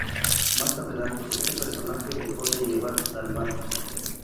Más adelante este personaje dejó de llevar dalmática.